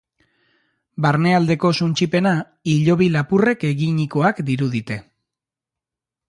Barnealdeko suntsipena, hilobi lapurrek eginikoak dirudite.